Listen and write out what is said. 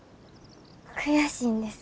悔しいんです。